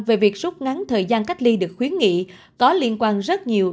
về việc rút ngắn thời gian cách ly được khuyến nghị có liên quan rất nhiều